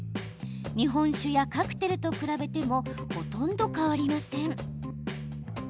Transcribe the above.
日本酒やカクテルと比べてもほとんど変わりません。